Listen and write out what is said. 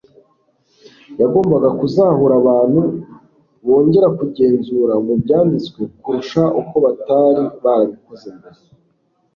yagombaga kuzahura abantu bongera kugenzura mu Byanditswe kurusha uko batari barabikoze mbere.